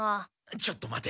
ちょっと待て。